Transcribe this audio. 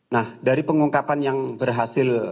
nah dari pengungkapan yang berhasil